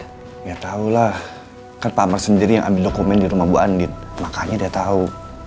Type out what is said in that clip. afterlife abrirestate ya tau lah kan lemar sendiri ami com ini rumah buandit makanya dia tahu